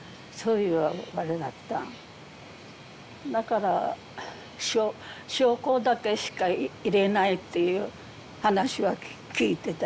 だから将校だけしか入れないという話は聞いてたよ。